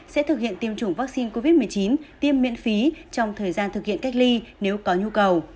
sẽ thực hiện tiêm chủng vaccine covid một mươi chín tiêm miễn phí trong thời gian thực hiện cách ly nếu có nhu cầu